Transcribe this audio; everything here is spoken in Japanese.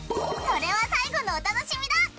それは最後のお楽しみだ！